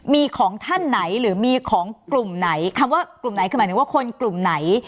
มีของท่านไหนหรือมีของกลุ่มไหนคำว่ากลุ่มไหนคือหมายถึงว่าคนกลุ่มไหน